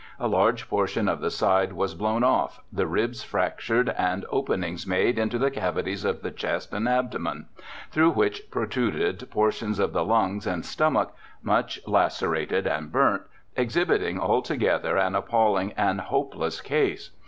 A large portion of the side was blown off, the ribs fractured, and openings made into the cavities of the chest and abdo men, through which protruded portions of the lungs and stomach, much lacerated and burnt, exhibiting alto gether an appalling and hopeless case.